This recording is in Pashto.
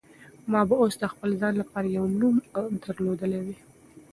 ما به اوس د خپل ځان لپاره یو نوم درلودلی وای.